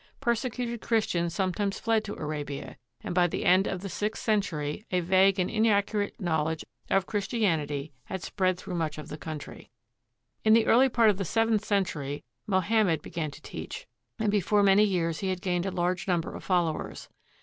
Perse cuted Christians sometimes fled to Arabia, and by the end of the sixth century, a vague and inaccurate knowledge of Christianity had spread through much of the country. In the early part of the seventh century, Mohammed be gan to teach, and before many years he had gained a large number of followers.